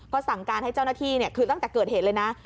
ก็สั่งการให้เจ้าหน้าที่คือตั้งแต่เกิดเหตุเลยนะ